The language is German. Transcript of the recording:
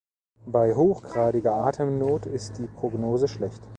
Bei hochgradiger Atemnot ist die Prognose schlecht.